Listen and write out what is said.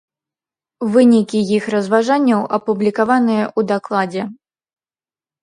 Вынікі іх разважанняў апублікаваныя ў дакладзе.